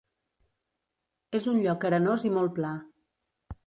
És un lloc arenós i molt pla.